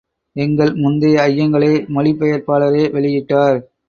எங்கள் முந்தைய ஐயங்களை, மொழி பெயர்ப்பாளரே வெளியிட்டார்.